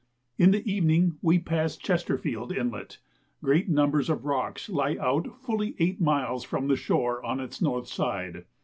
In the evening we passed Chesterfield Inlet. Great numbers of rocks lie out fully eight miles from the shore on its north side.